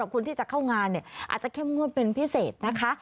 คนที่จะเข้างานอาจจะเข้มงวดเป็นพิเศษนะคะ